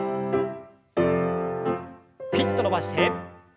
ピッと伸ばして。